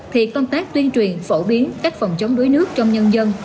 thì công tác tuyên truyền phổ biến cách phòng chống đuối nước trong nhân dân